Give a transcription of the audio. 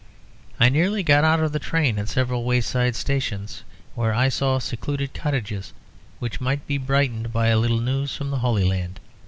I nearly got out of the train at several wayside stations, where I saw secluded cottages which might be brightened by a little news from the Holy Land.